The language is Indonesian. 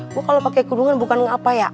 bu kalau pakai kudungan bukan apa ya